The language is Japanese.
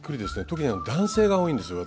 特に男性が多いんですよ